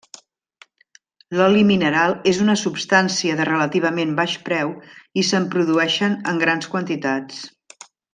L'oli mineral és una substància de relativament baix preu i se'n produeixen en grans quantitats.